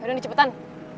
ya udah nih cepetan